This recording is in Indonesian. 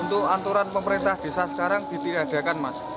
untuk aturan pemerintah desa sekarang ditiadakan mas